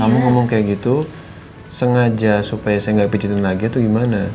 kamu ngomong kayak gitu sengaja supaya saya nggak picitin lagi atau gimana